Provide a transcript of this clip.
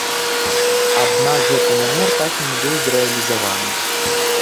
Аднак гэты намер так і не быў зрэалізаваны.